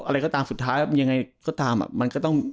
เลยก็ตามสุดท้ายแล้วยังไงก็ตามอะมัน